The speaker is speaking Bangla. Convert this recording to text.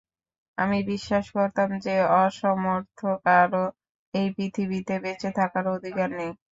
আমি বিশ্বাস করতাম যে অসমর্থ কারো এই পৃথিবীতে বেঁচে থাকারও অধিকার নেই।